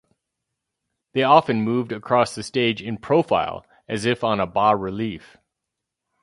They often moved across the stage in "profile" as if on a bas relief.